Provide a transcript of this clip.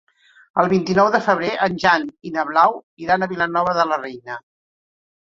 El vint-i-nou de febrer en Jan i na Blau iran a Vilanova de la Reina.